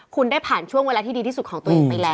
คุณได้ผ่านช่วงเวลาที่ดีที่สุดของตัวเองไปแล้ว